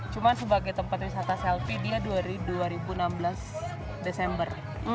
cuma sebagai tempat wisata selfie dia dua ribu enam belas desember